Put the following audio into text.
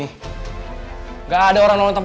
jangan lagi demam jangan lagi demam